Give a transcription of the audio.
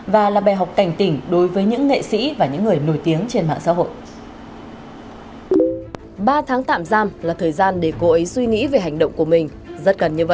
và là bè học cảnh tỉnh đối với những nghệ sĩ và những người nổi tiếng trên mạng xã hội